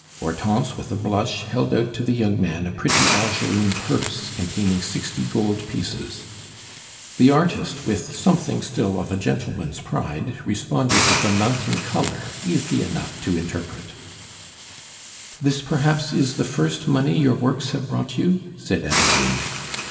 Hortense, with a blush, held out to the young man a pretty Algerine purse containing sixty gold pieces. The artist, with something still of a gentleman's pride, responded with a mounting color easy enough to interpret. "This, perhaps, is the first money your works have brought you?" said Adeline.